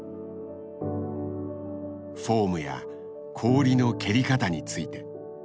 フォームや氷の蹴り方について。